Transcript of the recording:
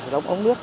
đóng ống nước